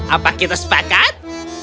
apa kita sepakat